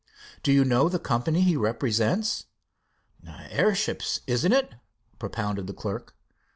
"Do you know the company he represents?" "Airships, isn't it?" propounded the clerk.